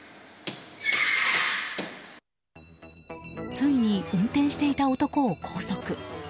ついに運転していた男を拘束。